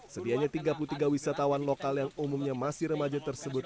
sedianya tiga puluh tiga wisatawan lokal yang umumnya masih remaja tersebut